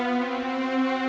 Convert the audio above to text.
sayang juga kesempatan